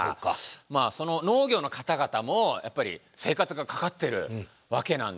その農業の方々もやっぱり生活がかかってるわけなんで。